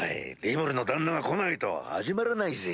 リムルの旦那が来ないと始まらないぜ？